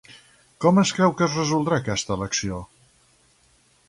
Com es creu que es resoldrà aquesta elecció?